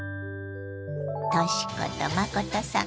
とし子と真さん